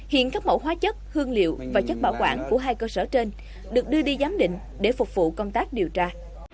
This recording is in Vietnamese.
hiện các mẫu hóa chất hương liệu và chất bảo quản của hai cơ sở trên được đưa đi giám định để phục vụ công tác điều tra